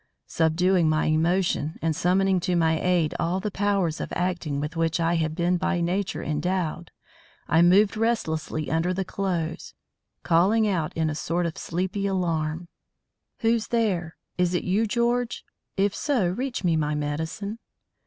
Subduing my emotion and summoning to my aid all the powers of acting with which I have been by nature endowed, I moved restlessly under the clothes, calling out in a sort of sleepy alarm: "Who's there? Is it you, George? If so, reach me my medicine."